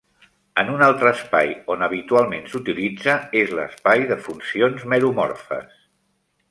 En un altre espai on habitualment s'utilitza és l'espai de funcions meromorfes.